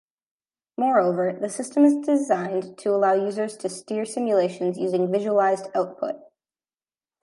Moreover, the system is designed to allow users to steer simulations using visualised output.